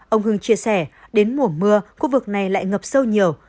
ông hưng chia sẻ đến mùa mưa khu vực này lại ngập sâu nhiều